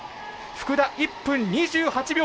福田、１分２８秒０６。